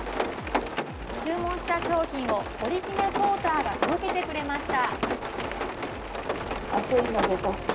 注文した商品をオリヒメポーターが届けてくれました。